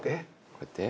こうやって？